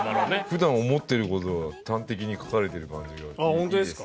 普段思ってる事を端的に書かれてる感じがいいですね